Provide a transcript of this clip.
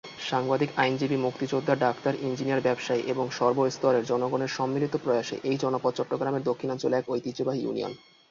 সাংবাদিক, আইনজীবী, মুক্তিযোদ্ধা, ডাক্তার, ইঞ্জিনিয়ার, ব্যবসায়ী এবং সর্বস্তরের জনগণের সম্মিলিত প্রয়াসে এই জনপদ চট্টগ্রামের দক্ষিণাঞ্চলে এক ঐতিহ্যবাহী ইউনিয়ন।